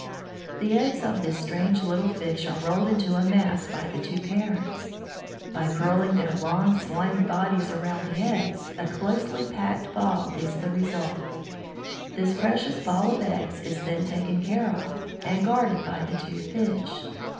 The eggs of this strange little fish are rolled into a mass by the two parents. By curling their long, slimy bodies around the eggs, a closely packed ball is the result. This precious ball of eggs is then taken care of, and guarded by the two fish.